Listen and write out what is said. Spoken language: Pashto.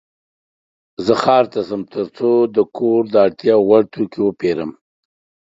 زه ښار ته ځم ترڅو د کور د اړتیا وړ توکې وپيرم.